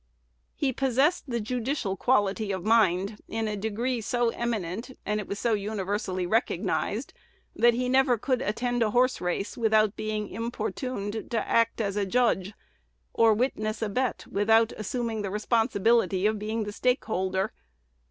He possessed the judicial quality of mind in a degree so eminent, and it was so universally recognized, that he never could attend a horse race without being importuned to act as a judge, or witness a bet without assuming the responsibility of a stakeholder.